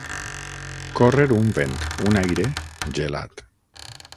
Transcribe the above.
Córrer un vent, un aire, gelat.